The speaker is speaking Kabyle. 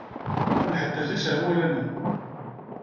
Nḥedded iserwalen-nneɣ.